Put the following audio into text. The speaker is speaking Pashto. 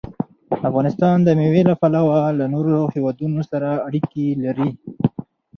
افغانستان د مېوې له پلوه له نورو هېوادونو سره اړیکې لري.